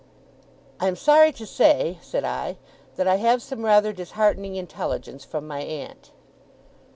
'I am sorry to say,' said I, 'that I have some rather disheartening intelligence from my aunt.